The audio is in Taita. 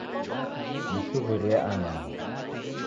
Nisuw'irie anyaho